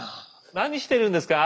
何してるんですか？